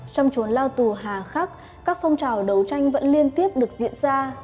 trong chuồn lao tù hà khắc các phong trào đấu tranh vẫn liên tiếp được diễn ra